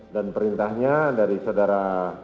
dan perintahnya dari saudara ferdinand